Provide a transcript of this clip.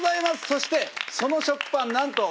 そしてその食パンなんと